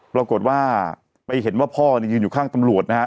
ปรากฏว่าไปเห็นว่าพ่อยืนอยู่ข้างตำรวจนะฮะ